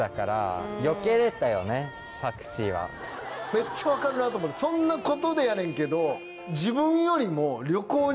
めっちゃ分かるなと思って「そんなことで？」やねんけど。